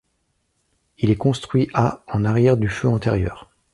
Il est construit à en arrière du feu antérieur.